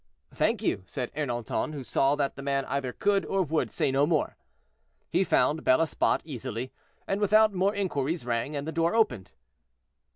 "Thank you," said Ernanton, who saw that the man either could or would say no more. He found Bel Esbat easily, and without more inquiries, rang, and the door opened.